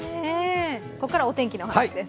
ここからはお天気の話です。